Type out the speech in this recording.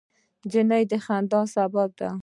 نجلۍ د خندا سبب ده.